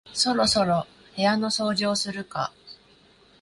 そろそろ部屋の掃除をするか